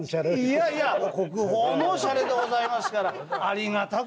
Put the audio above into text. いやいや国宝のシャレでございますからありがたく。